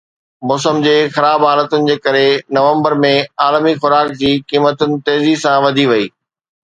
موسم جي خراب حالتن جي ڪري نومبر ۾ عالمي خوراڪ جي قيمتن تيزي سان وڌي وئي